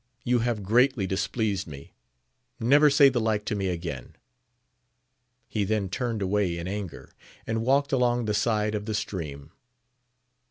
you have greatly displeased me : never say the like to me again ! He then turned away in anger, and walked along the side of the stream.